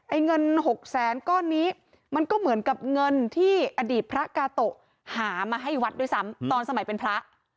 เงินหกแสนก้อนนี้มันก็เหมือนกับเงินที่อดีตพระกาโตะหามาให้วัดด้วยซ้ำตอนสมัยเป็นพระ